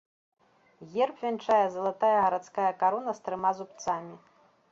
Герб вянчае залатая гарадская карона з трыма зубцамі.